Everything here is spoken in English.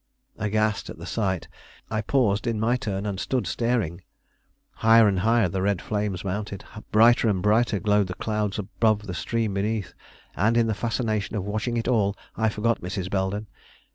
Aghast at the sight, I paused in my turn, and stood staring. Higher and higher the red flames mounted, brighter and brighter glowed the clouds above, the stream beneath; and in the fascination of watching it all, I forgot Mrs. Belden.